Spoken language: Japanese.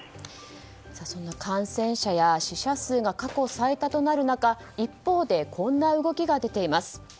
その感染者や死者数が過去最多となる中一方でこんな動きが出ています。